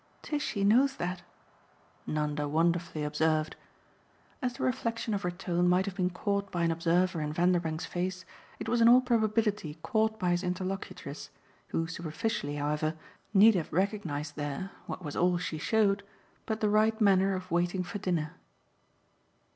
Tishy knows that," Nanda wonderfully observed. As the reflexion of her tone might have been caught by an observer in Vanderbank's face it was in all probability caught by his interlocutress, who superficially, however, need have recognised there what was all she showed but the right manner of waiting for dinner.